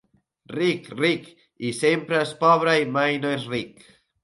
Ric, ric! I sempre és pobre i mai no és ric.